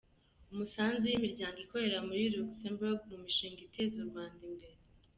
Umusanzu w’imiryango ikorera muri Luxembourg mu mishinga iteza u Rwanda imbere.